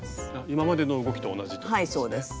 今までの動きと同じってことですね。